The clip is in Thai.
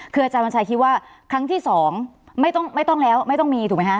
คืออาจารย์วันชัยคิดว่าครั้งที่สองไม่ต้องแล้วไม่ต้องมีถูกไหมคะ